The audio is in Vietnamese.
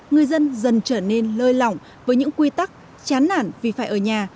người dân dần trở nên lơi lỏng với những quy tắc chán nản vì phải ở nhà